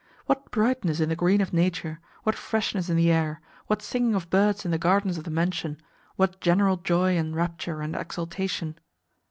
What brightness in the green of nature, what freshness in the air, what singing of birds in the gardens of the mansion, what general joy and rapture and exaltation!